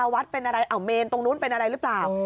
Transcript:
ว่าเออแมนนู่นเป็นอะไรหรือเปราะ